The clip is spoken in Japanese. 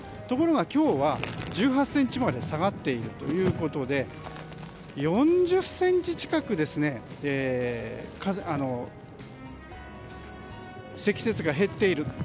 ところが今日は１８ｃｍまで下がっているということで４０ｃｍ近く積雪が減っている。